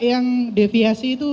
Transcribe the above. yang deviasi itu